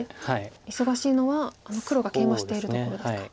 忙しいのはあの黒がケイマしているところですか。